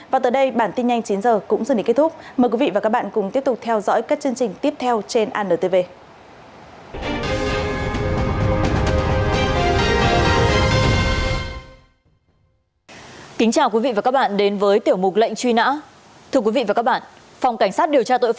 và từ đây bản tin nhanh chín h cũng dần đến kết thúc